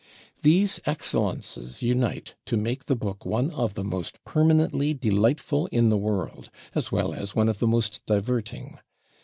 These excellences unite to make the book one of the most permanently delightful in the world, as well as one of the most diverting.